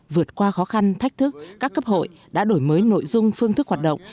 vượt qua khó khăn thách thức các cấp hội đã đổi mới nội dung phương thức hoạt động